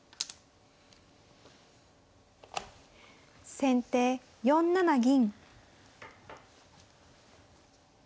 先手４七銀。